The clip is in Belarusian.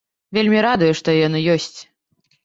Вельмі радуе, што яно ёсць.